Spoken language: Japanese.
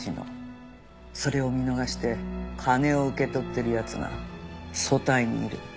それを見逃して金を受け取ってる奴が組対にいる。